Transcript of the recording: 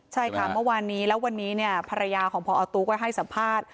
ใช่ค่ะเมื่อวานนี้แล้ววันนี้เนี่ยภรรยาของพอตุ๊กก็ให้สัมภาษณ์